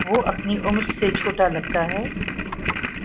وہ اپنی عمر سے چھوٹا لگتا ہے